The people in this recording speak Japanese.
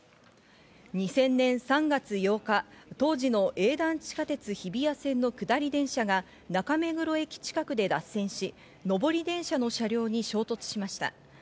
２０００年３月８日、当時の営団地下鉄日比谷線の下り電車が中目黒駅近くで脱線し、上り電車の車両に衝突しました。